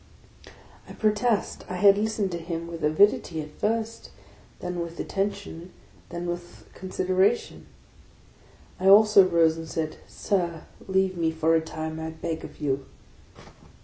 I protest I had listened to him with avidity at first, then with attention, then with consideration. I also rose and said, " Sir, leave me for a time, I beg of you."